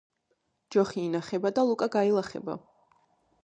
ჯოხი ინახება და ლუკა გაილახება